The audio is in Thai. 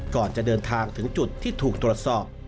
ก่อนจะเดินทางถึงจุดที่ถูกตรวจสอบ